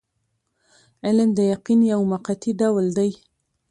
علم د یقین یو موقتي ډول دی.